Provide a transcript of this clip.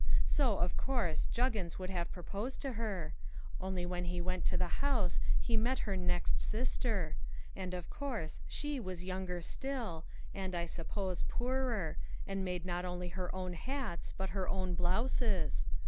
So, of course, Juggins would have proposed to her; only when he went to the house he met her next sister: and of course she was younger still; and, I suppose, poorer: and made not only her own hats but her own blouses.